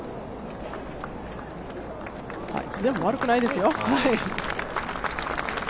でも悪くないですよ。